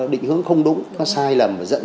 định hướng không đúng nó sai lầm và dẫn